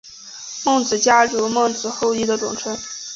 孟子家族是孟子后裔的总称。